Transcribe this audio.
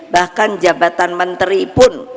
bahkan jabatan menteri pun